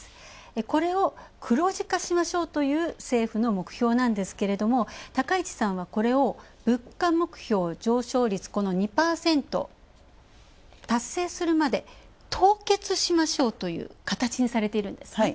これを黒字化しましょうという政府の目標なんですけれども高市さんはこれを物価目標、上昇率この２％達成するまで凍結しましょうという形にされているんですね。